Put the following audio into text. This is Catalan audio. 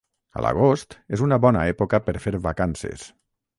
A l'agost és una bona època per fer vacances.